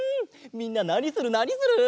みんななにするなにする？